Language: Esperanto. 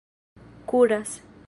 kuras